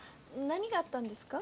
何があったんですか？